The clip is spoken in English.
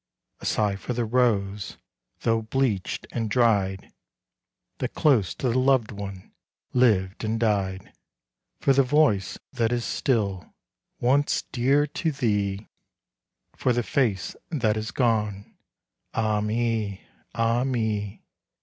A sigh for the rose, though bleached and dried, That close to the loved one lived and died, For the voice that is still once dear to thee For the face that is gone ah me! ah me!